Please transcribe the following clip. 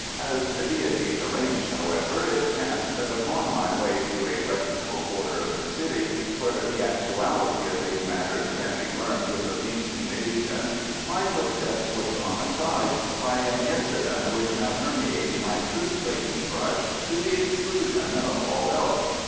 As the deities arranged, however, it chanced that upon my way to a reputable quarter of the city where the actuality of these matters can be learnt with the least evasion, my footsteps were drawn aside by an incident which now permeates my truth laden brush to the exclusion of all else.